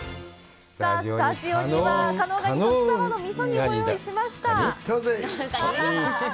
スタジオには、加能ガニと旬さばのみそ煮をご用意しました！